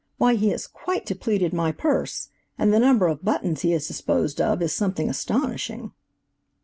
Why, he has quite depleted my purse, and the number of buttons he has disposed of is something astonishing."